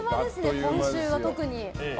今週は特に。